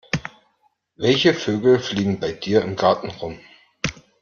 Welche Vögel fliegen bei dir im Garten rum?